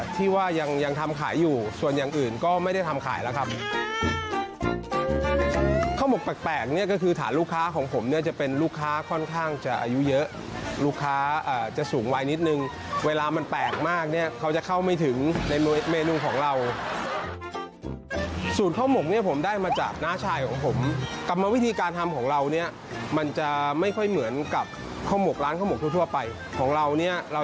ที่ว่ายังทำขายอยู่ส่วนอย่างอื่นก็ไม่ได้ทำขายแล้วครับข้าวหมกแปลกก็คือฐานลูกค้าของผมจะเป็นลูกค้าค่อนข้างจะอายุเยอะลูกค้าจะสูงวัยนิดหนึ่งเวลามันแปลกมากเขาจะเข้าไม่ถึงในเมนูของเราสูตรข้าวหมกผมได้มาจากน้าชายของผมกลับมาวิธีการทำของเรามันจะไม่ค่อยเหมือนกับข้าวหมกร้านข้าวหมกทั่วไปของเรา